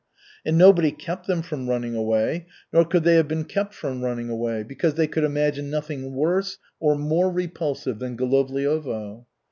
And nobody kept them from running away, nor could they have been kept from running away, because they could imagine nothing worse or more repulsive than Golovliovo.